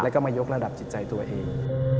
แล้วก็มายกระดับจิตใจตัวเอง